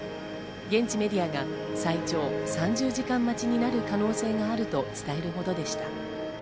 現地メディアが最長３０時間待ちになる可能性があると伝えるほどでした。